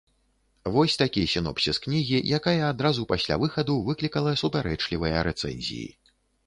Вось такі сінопсіс кнігі, якая адразу пасля выхаду выклікала супярэчлівыя рэцэнзіі.